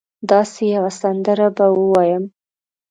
داسي یوه سندره به ووایم